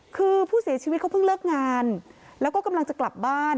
คือผู้เสียชีวิตเขาเพิ่งเลิกงานแล้วก็กำลังจะกลับบ้าน